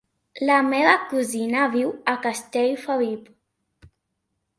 La meva cosina viu a Castellfabib.